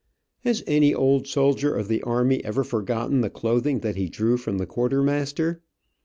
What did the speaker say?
Has any old soldier of the army ever forgotten the clothing that he drew from the quartermaster?